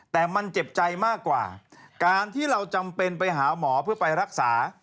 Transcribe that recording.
แต่มันเจ็บใจมากกว่าการที่เราจำเป็นไปหาหมอเพื่อไปรักษา